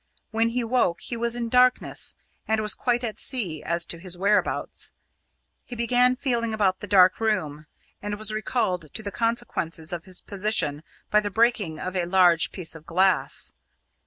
When he woke he was in darkness, and was quite at sea as to his whereabouts. He began feeling about the dark room, and was recalled to the consequences of his position by the breaking of a large piece of glass.